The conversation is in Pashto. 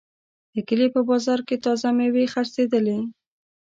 د کلي په بازار کې تازه میوې خرڅېدلې.